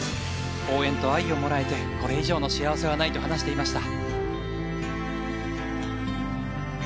応援と愛をもらえてこれ以上の幸せはないと話していました。